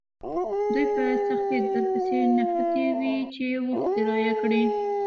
دوی په سختۍ درپسې نښتي وي چې اوښ کرایه کړه.